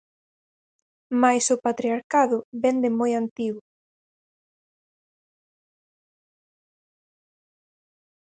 Mais o patriarcado vén de moi antigo.